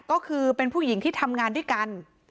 ก็คือเป็นผู้หญิงที่ทำงานด้วยกัน